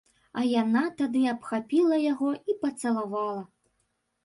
А яна тады абхапіла яго і пацалавала.